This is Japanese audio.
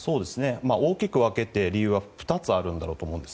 大きく分けて、理由は２つあるんだろうと思います。